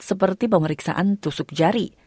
seperti pemeriksaan tusuk jari